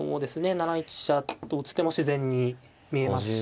７一飛車と打つ手も自然に見えますし。